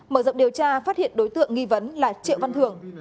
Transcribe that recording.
mở rộng điều tra phát hiện đối tượng nghi vấn là triệu văn thường